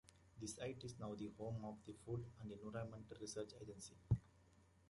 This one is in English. The site is now the home of The Food and Environment Research Agency.